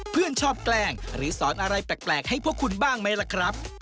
เพื่อนชอบแกล้งหรือสอนอะไรแปลกให้พวกคุณบ้างไหมล่ะครับ